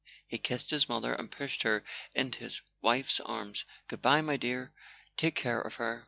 He kissed his mother and pushed her into his wife's arms. "Good bye, my dear. Take care of her."